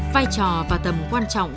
vai trò và tầm quan trọng